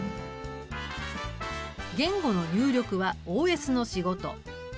言語の入力はＯＳの仕事。